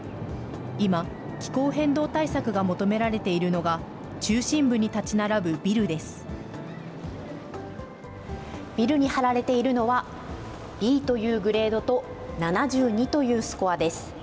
今、気候変動対策が求められているのが、中心部に建ち並ぶビルでビルに貼られているのは、Ｂというグレードと、７２というスコアです。